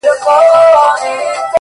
د وجود غړي د هېواد په هديره كي پراته ـ